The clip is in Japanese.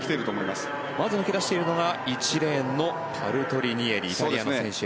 まず抜け出しているのが１レーンのパルトリニエリ選手